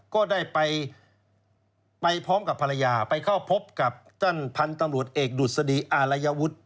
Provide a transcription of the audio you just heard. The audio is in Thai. ก็ได้ไปพร้อมกับภรรยาไปเข้าพบกับท่านพันธุ์ตำรวจเอกดุษฎีอารยวุฒิ